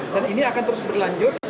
dan ini akan terus berlanjut